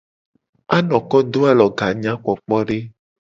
Anoko do aloga nyakpokpode.